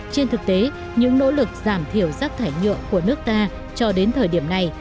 trên thực tế những nỗ lực giảm thiểu rác thải nhựa của nước ta cho đến thời điểm này